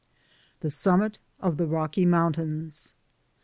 THE SUMMIT O^ THE ROCKY MOUNTAINS.